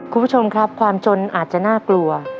คุณผู้ชมครับความจนอาจจะน่ากลัว